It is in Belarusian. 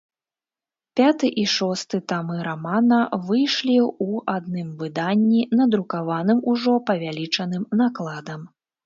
Пяты і шосты тамы рамана выйшлі ў адным выданні, надрукаваным ужо павялічаным накладам.